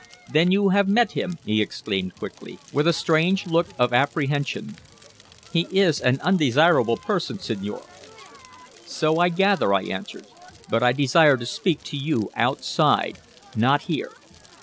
"Then you have met him!" he exclaimed quickly, with a strange look of apprehension. "He is an undesirable person, signore." "So I gather," I answered. "But I desire to speak to you outside not here."